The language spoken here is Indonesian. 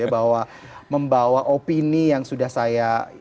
bahwa membawa opini yang sudah saya